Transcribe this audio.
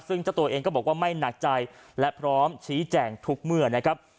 ซึ่งเจ้าตัวเองก็บอกว่าไม่หนักใจและพร้อมชี้แจงทุกเมื่อนะครับ